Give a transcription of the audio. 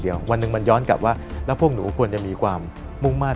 เดี๋ยววันหนึ่งมันย้อนกลับว่าแล้วพวกหนูควรจะมีความมุ่งมั่น